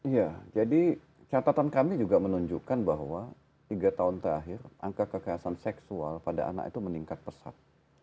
iya jadi catatan kami juga menunjukkan bahwa tiga tahun terakhir angka kekerasan seksual pada anak itu meningkat pesat